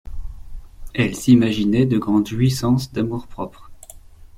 Elle s’imaginait de grandes jouissances d’amour-propre.